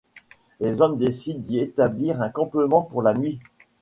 Les hommes décident d'y établir un campement pour la nuit.